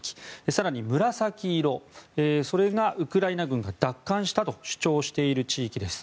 更に紫色がウクライナ軍が奪還したと主張している地域です。